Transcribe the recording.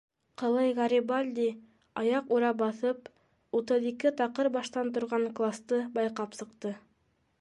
Ҡылый Гарибальди аяҡ үрә баҫып, утыҙ ике таҡыр баштан торған класты байҡап сыҡты.